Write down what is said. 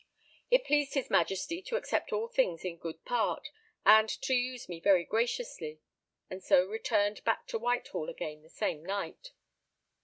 It pleased his Majesty to accept all things in good part, and to use me very graciously; and so returned back to Whitehall again the same night.